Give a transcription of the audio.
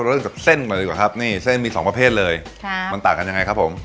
เริ่มจากเส้นก่อนดีกว่าครับนี่เส้นมีสองประเภทเลยค่ะมันต่างกันยังไงครับผม